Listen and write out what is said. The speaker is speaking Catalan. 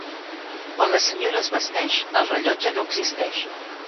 Quan la senyora es vesteix, el rellotge no existeix.